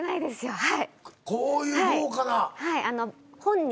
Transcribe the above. はい。